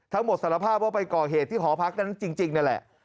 ทั้งหมดสารภาพว่าเป็นเกราะเหตุที่หอพักนั้นจริงนี่แหละ